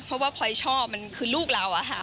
เพราะว่าพลอยชอบมันคือลูกเราอะค่ะ